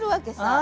あ！